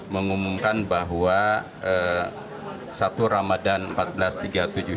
mengumumkan bahwa satu ramadhan empat belas juni dua ribu enam belas ini adalah hari yang berakhir